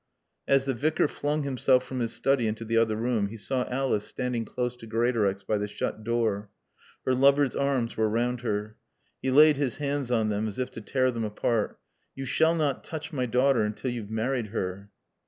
As the Vicar flung himself from his study into the other room he saw Alice standing close to Greatorex by the shut door. Her lover's arms were round her. He laid his hands on them as if to tear them apart. "You shall not touch my daughter until you've married her."